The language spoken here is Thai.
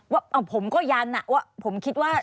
ว่าผมก็ยันอะว่าผมคิดว่า